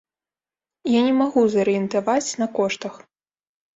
Я не магу зарыентаваць на коштах.